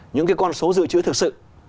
những cái con số dự trữ thực sự